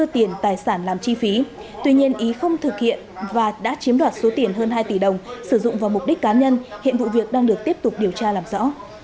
tiền tài sản làm chi phí tuy nhiên ý không thực hiện và đã chiếm đoạt số tiền hơn hai tỷ đồng sử dụng vào mục đích cá nhân hiện vụ việc đang được tiếp tục điều tra làm rõ